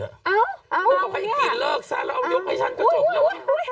เอ้าเนี่ยเอาให้กินเลิกซะแล้วเอายกให้ฉันก็จบแล้ว